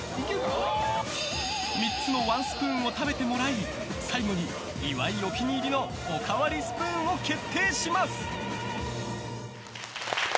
３つのワンスプーンを食べてもらい最後に岩井お気に入りのおかわりスプーンを決定します。